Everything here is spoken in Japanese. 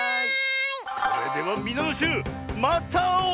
それではみなのしゅうまたあおう！